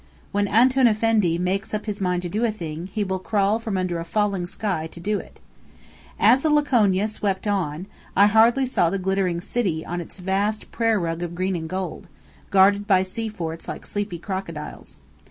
When "Antoun Effendi" makes up his mind to do a thing, he will crawl from under a falling sky to do it. As the Laconia swept on, I hardly saw the glittering city on its vast prayer rug of green and gold, guarded by sea forts like sleepy crocodiles.